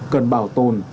cần bảo tồn